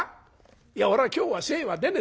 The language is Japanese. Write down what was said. いや俺は今日は精は出ねえんだよ。